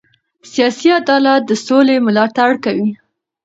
سیاسي عدالت د سولې ملاتړ کوي